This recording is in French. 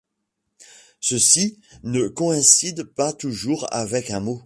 Ceux-ci ne coïncident pas toujours avec un mot.